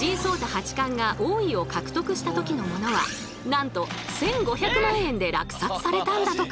八冠が王位を獲得した時のものはなんと１，５００万円で落札されたんだとか。